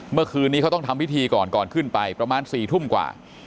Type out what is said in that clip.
เมื่อคืนนี้เขาต้องทำพิธีก่อนก่อนขึ้นไปประมาณ๔ทุ่มกว่า